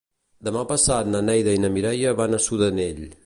Demà passat na Neida i na Mireia van a Sudanell.